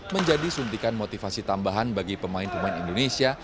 menjadi suntikan motivasi tambahan bagi pemain pemain indonesia